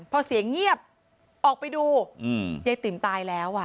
พอเสียงเงียบออกไปดูยายติ๋มตายแล้วอ่ะ